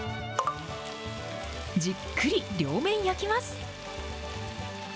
じっくり、両面焼きます。